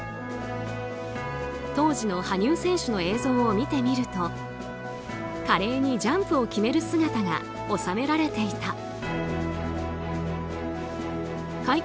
当時の羽生選手の映像を見てみると華麗にジャンプを決める姿が収められていた。